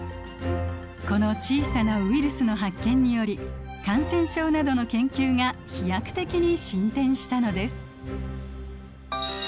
この小さなウイルスの発見により感染症などの研究が飛躍的に進展したのです。